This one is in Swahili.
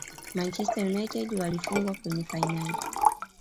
manchester united walifungwa kwenye fainali